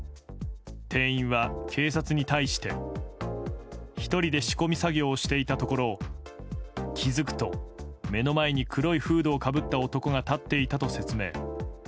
店員は警察に対して、１人で仕込み作業をしていたところ気づくと、目の前に黒いフードをかぶった男が立っていたと説明。